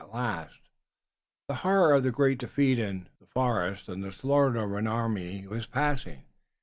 At last, the horror of the great defeat in the forest and the slaughter of an army was passing.